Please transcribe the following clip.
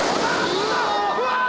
うわ！